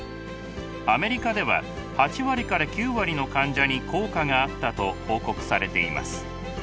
アメリカでは８割から９割の患者に効果があったと報告されています。